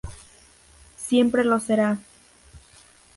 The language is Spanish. Siempre lo será".